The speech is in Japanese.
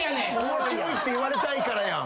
面白いって言われたいからやん。